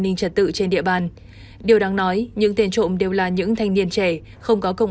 ninh trật tự trên địa bàn điều đáng nói những tiền trộm đều là những thanh niên trẻ không có công